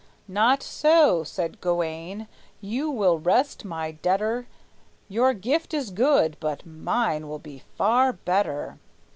"Not so," said Gawayne; "you will rest my debtor; Your gift is good, but mine will be far better."